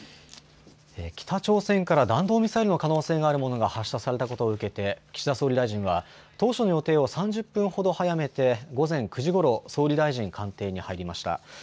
北朝鮮から弾道ミサイルの可能性があるものが発射されたことを受けて岸田総理大臣は当初の予定を３０分ほど早めて午前９時ごろ総理大臣官邸に入りました。